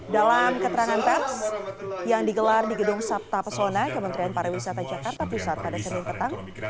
dalam keterangan pers yang digelar di gedung sabta pesona kementerian pariwisata jakarta pusat pada senin petang